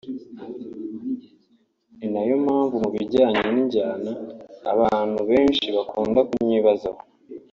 ni nayo mpamvu mu bijyanye n’injyana abantu benshi bakunda kunyibazaho